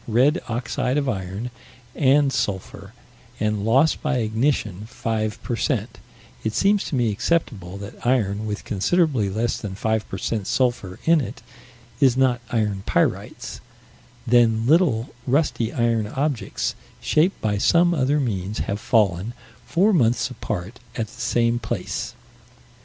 red oxide of iron, and sulphur and loss by ignition 5 per cent. It seems to me acceptable that iron with considerably less than 5 per cent. sulphur in it is not iron pyrites then little, rusty iron objects, shaped by some other means, have fallen, four months apart, at the same place. M.